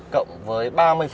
cộng với ba mươi